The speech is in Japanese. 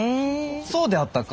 そうであったか？